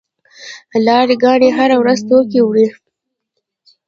لاری ګانې هره ورځ توکي وړي.